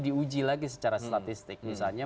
diuji lagi secara statistik misalnya